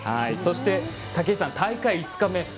そして、武井さん大会５日目。